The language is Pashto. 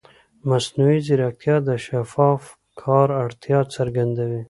مصنوعي ځیرکتیا د شفاف کار اړتیا څرګندوي.